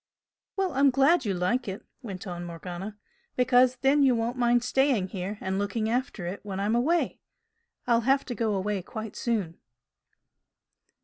"Well, I'm glad you like it" went on Morgana "Because then you won't mind staying here and looking after it when I'm away. I'll have to go away quite soon."